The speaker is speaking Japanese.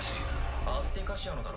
アスティカシアのだろ？